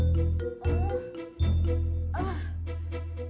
nge fire lagi di pilih pilih gue ha